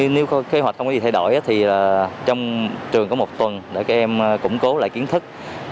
nếu có kế hoạch không có gì thay đổi thì trong trường có một tuần để các em củng cố lại kiến thức